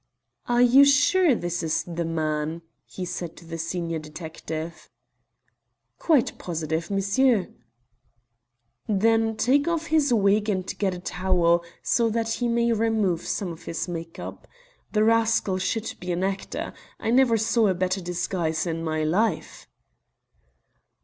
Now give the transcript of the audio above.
"Are you sure this is the man?" he said to the senior detective. "Quite positive, monsieur." "Then take off his wig and get a towel, so that he may remove some of his make up. The rascal should be an actor. I never saw a better disguise in my life."